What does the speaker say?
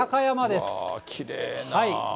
きれいな。